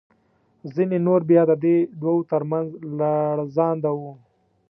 ځینې نور بیا د دې دوو تر منځ لړزانده وو.